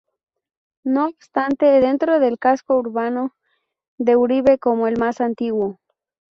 No obstante, dentro del casco urbano de Uribe como el más antiguo.